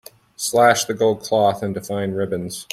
Slash the gold cloth into fine ribbons.